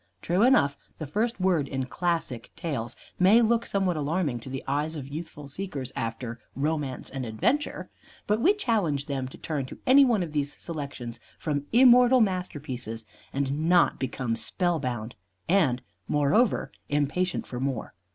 True enough, the first word in "Classic Tales" may look somewhat alarming to the eyes of youthful seekers after romance and adventure, but we challenge them to turn to any one of these selections from immortal masterpieces and not become spellbound and, moreover, impatient for more.